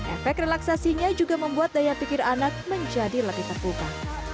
efek relaksasinya juga membuat daya pikir anak menjadi lebih terbuka